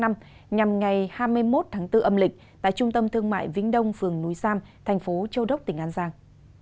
nhằm ngày hai mươi một tháng bốn âm lịch tại trung tâm thương mại vĩnh đông phường núi giam tp châu đốc tp an giang